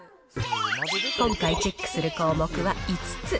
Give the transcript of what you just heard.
今回チェックする項目は５つ。